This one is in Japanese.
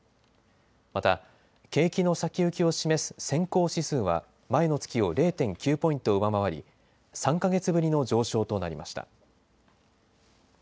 また景気の先行きを示す先行指数は前の月を０．９ポイント上回り３か月ぶりの上昇となりました。